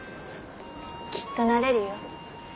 きっとなれるよ。